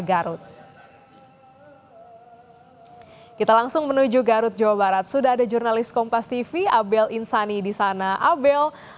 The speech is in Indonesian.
garut kita langsung menuju garut jawa barat sudah ada jurnalis kompas tv abel insani di sana abel